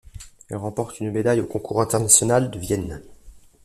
Elle remporte une médaille au Concours international de Vienne.